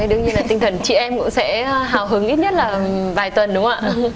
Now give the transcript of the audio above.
đương nhiên là tinh thần chị em cũng sẽ hào hứng ít nhất là vài tuần đúng không ạ